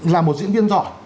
là một diễn viên giỏi